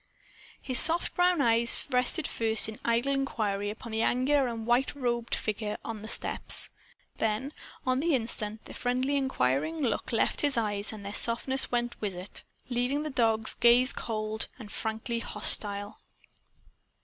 His soft brown eyes rested first in idle inquiry upon the angular and white robed figure on the steps. Then, on the instant, the friendly inquiring look left his eyes and their softness went with it leaving the dog's gaze cold and frankly hostile.